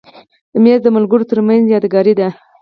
مېز د ملګرو تر منځ یادګاري دی.